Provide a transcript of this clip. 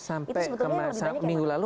sampai kemasan minggu lalu